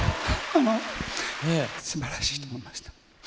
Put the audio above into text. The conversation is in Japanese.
素晴らしいと思いました。